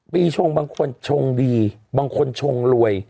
ชงบางคนชงดีบางคนชงรวย